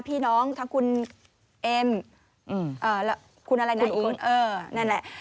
พี่น้องทั้งคุณเอ็มและคุณอุ๊งนั่นแหละ